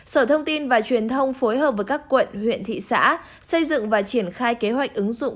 sở thông tin và truyền thông phối hợp với các quận huyện thị xã xây dựng và triển khai kế hoạch ứng dụng